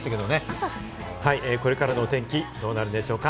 これからの天気、どうなるでしょうか？